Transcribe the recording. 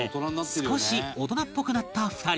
少し大人っぽくなった２人